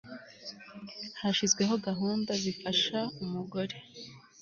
hashyizweho gahunda zifasha umugore